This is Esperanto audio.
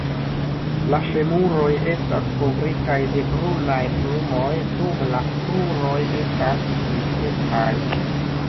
La femuroj estas kovritaj de brunaj plumoj dum la kruroj estas grizecaj.